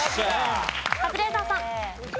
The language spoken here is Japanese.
カズレーザーさん。